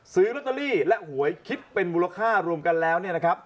ซื้อล็อตเตอรี่และหวยคิดเป็นมูลค่ารวมกันแล้ว